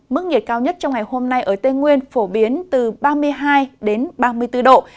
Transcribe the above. mức nhiệt cao nhất trong ngày hôm nay ở tây nguyên phổ biến từ ba mươi hai đến ba mươi bốn độ